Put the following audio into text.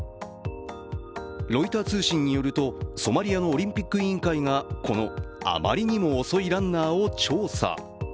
ロイター通信によると、ソマリアのオリンピック委員会がこのあまりにも遅いランナーを調査。